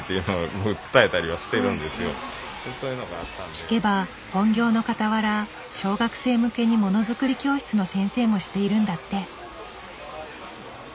聞けば本業のかたわら小学生向けにものづくり教室の先生もしているんだって。